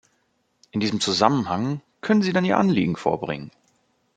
In diesem Zusammenhang können Sie dann Ihr Anliegen vorbringen.